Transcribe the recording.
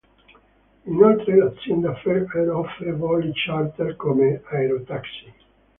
Inoltre l'azienda Fair Air offre voli charter come "aerotaxi".